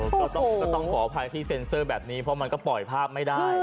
ก็ต้องขออภัยที่เซ็นเซอร์แบบนี้เพราะมันก็ปล่อยภาพไม่ได้